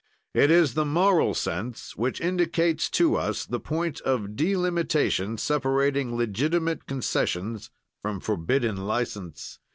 "It is the moral sense which indicates to us the point of delimitation separating legitimate concessions from forbidden license.